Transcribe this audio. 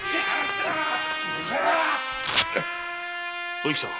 お幸さん